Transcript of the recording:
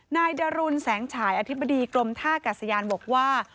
นายดรุนแสงฉายอธิบดีกรมท่ากัศยานบอกว่า